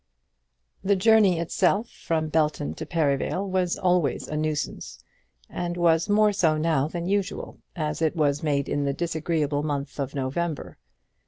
The journey itself from Belton to Perivale was always a nuisance, and was more so now than usual, as it was made in the disagreeable month of November.